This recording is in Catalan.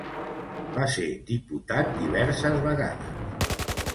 Va ser diputat diverses vegades.